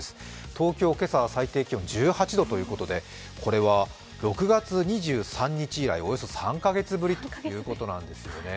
東京、今朝は最低気温が１８度ということで、これは６月２３日以来およそ３か月ぶりということなんですよね。